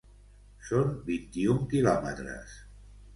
Són vint-i-un quilòmetres.